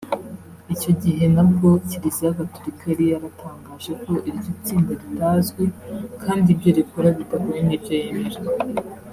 Icyo gihe nabwo Kiliziya gatolika yari yaratangaje ko iryo tsinda ritazwi kandi ibyo rikora bidahuye n’ibyo yemera